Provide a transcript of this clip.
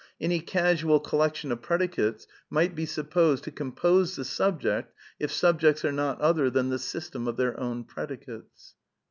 Any casual collection of predicates might be supposed to com pose the subject if subjects are not other than the extern of their own predicates."